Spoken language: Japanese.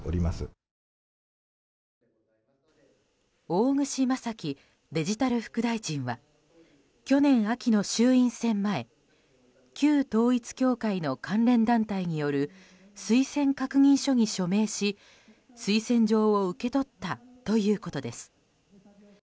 大串正樹デジタル副大臣は去年秋の衆院選前旧統一教会の関連団体による推薦確認書に署名し、推薦状を受け取ったということです。